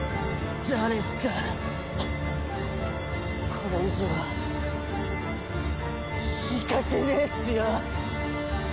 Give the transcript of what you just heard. これ以上行かせねえっすよ！